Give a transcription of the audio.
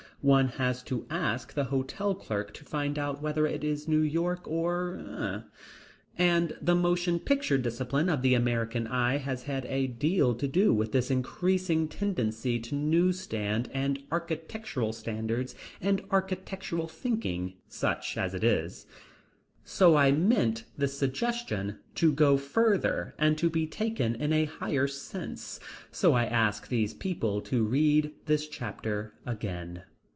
One has to ask the hotel clerk to find out whether it is New York or . And the motion picture discipline of the American eye has had a deal to do with this increasing tendency to news stand and architectural standardization and architectural thinking, such as it is. But I meant this suggestion to go further, and to be taken in a higher sense, so I ask these people to read this chapter again.